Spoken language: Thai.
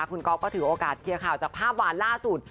คุณก๊อฟก็ถือโอกาสเคลียร์ข่าวจากภาพหวานล่าสุด